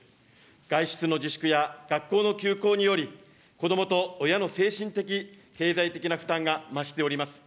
外出の自粛や学校の休校により、子どもと親の精神的、経済的な負担が増しております。